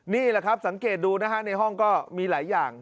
นี่แหละครับสังเกตดูนะฮะในห้องก็มีหลายอย่าง